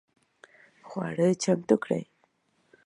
خواړه چمتو کړئ